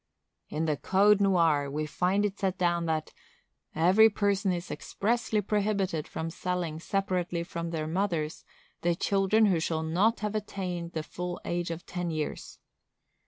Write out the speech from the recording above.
In the Code Noir we find it set down that "Every person is expressly prohibited from selling separately from their mothers the children who shall not have attained the full age of ten years."